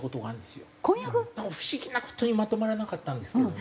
不思議な事にまとまらなかったんですけどね。